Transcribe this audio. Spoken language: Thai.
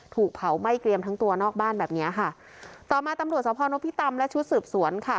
ถูกเผาไหม้เกรียมทั้งตัวนอกบ้านแบบเนี้ยค่ะต่อมาตำรวจสพนพิตำและชุดสืบสวนค่ะ